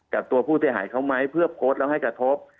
กับตัวผู้เสียหายเขาไหมเพื่อโพสต์แล้วให้กระทบ